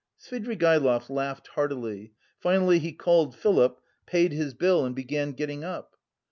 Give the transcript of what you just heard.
Svidrigaïlov laughed heartily; finally he called Philip, paid his bill, and began getting up.